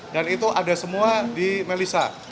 dan itu ada semua di melisa